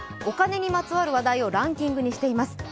お金にまつわる話題をランキングにしています。